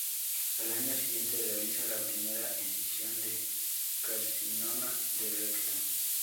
Al año siguiente realiza la primera escisión de carcinoma de recto.